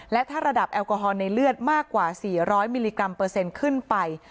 และถ้าระดับแอลกอฮอลในเลือดมากกว่า๔๐๐มิลลิกรัมเปอร์เซ็นต์ขึ้นไป